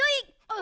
あ。